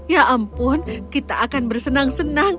ya ampun kita akan bersenang senang